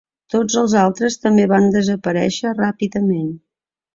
Tots els altres també van desaparèixer ràpidament.